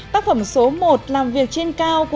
tác phẩm số một